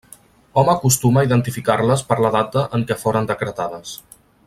Hom acostuma a identificar-les per la data en què foren decretades.